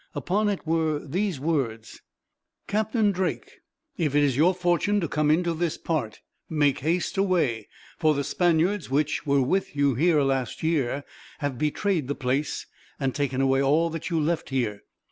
Upon it were these words: "Captain Drake, if it is your fortune to come into this part, make haste away; for the Spaniards which were with you here, last year, have betrayed the place; and taken away all that you left here.